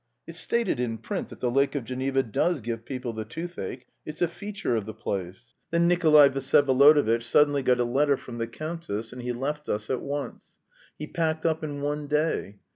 It's stated in print that the Lake of Geneva does give people the toothache. It's a feature of the place. Then Nikolay Vsyevolodovitch suddenly got a letter from the countess and he left us at once. He packed up in one day.